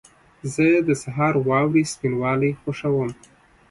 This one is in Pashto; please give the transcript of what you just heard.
زه د سهار واورې سپینوالی خوښوم.